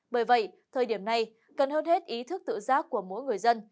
bởi vậy thời điểm này cần hơn hết ý thức tự giác của mỗi người dân